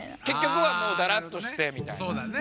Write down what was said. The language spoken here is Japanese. けっきょくはもうだらっとしてみたいな。